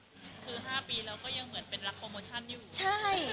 คือ๕ปีเราก็ยังเหมือนเป็นรักโปรโมชั่นอยู่ใช่